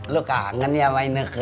lu kangen ya main neke